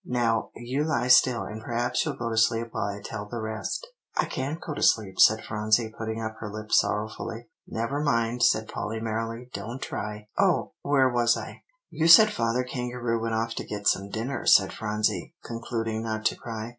"Now, you lie still, and perhaps you'll go to sleep while I tell the rest." "I can't go to sleep," said Phronsie, putting up her lip sorrowfully. "Never mind," said Polly merrily; "don't try. Oh, where was I?" "You said Father Kangaroo went off to get some dinner," said Phronsie, concluding not to cry.